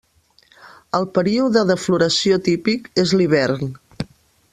El període de floració típic és l'hivern.